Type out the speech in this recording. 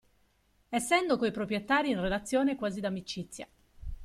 Essendo coi proprietari in relazione quasi d'amicizia.